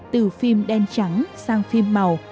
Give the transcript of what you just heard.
từ phim đen trắng sang phim màu